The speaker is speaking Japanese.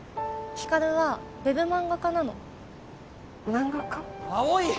光琉はウェブ漫画家なの漫画家？